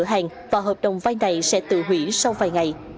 hàng và hợp đồng vai này sẽ tự hủy sau vài ngày